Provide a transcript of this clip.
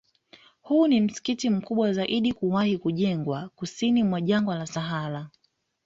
Huu ni msikiti mkubwa zaidi kuwahi kujengwa Kusini mwa Jangwa la Sahara